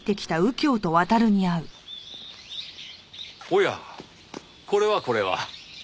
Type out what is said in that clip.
おやこれはこれは。